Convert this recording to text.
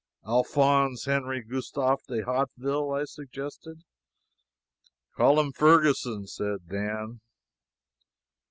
"Alphonse Henri Gustave de Hauteville," I suggested. "Call him Ferguson," said Dan.